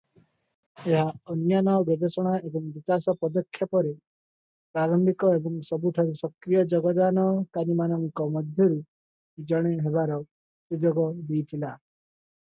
ଏହା ଅନ୍ୟାନ୍ୟ ଗବେଷଣା ଏବଂ ବିକାଶ ପଦକ୍ଷେପରେ ପ୍ରାରମ୍ଭିକ ଏବଂ ସବୁଠାରୁ ସକ୍ରିୟ ଯୋଗଦାନକାରୀମାନଙ୍କ ମଧ୍ୟରୁ ଜଣେ ହେବାର ସୁଯୋଗ ଦେଇଥିଲା ।